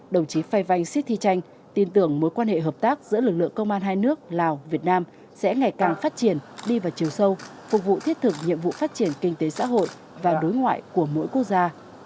đồng chí phai vanh siết thị tranh tin tưởng mối quan hệ hợp tác giữa lực lượng công an hai nước lào việt nam sẽ ngày càng phát triển đi vào chiều sâu phục vụ thiết thực nhiệm vụ phát triển kinh tế xã hội và đối ngoại của mỗi quốc gia